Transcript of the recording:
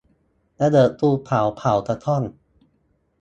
ระเบิดภูเขาเผากระท่อม